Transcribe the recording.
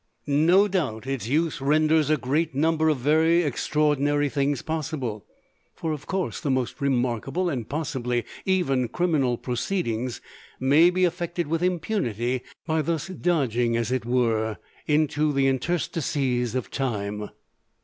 No doubt its use renders a great number of very extraordinary things possible; for, of course, the most remarkable and, possibly, even criminal proceedings may be effected with impunity by thus dodging, as it were, into the interstices of time.